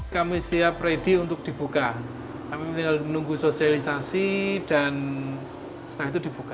kami siap ready untuk dibuka kami tinggal menunggu sosialisasi dan setelah itu dibuka